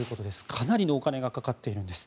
かなりのお金がかかっているんです。